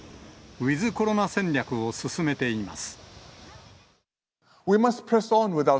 ウィズコロナ戦略を進めています。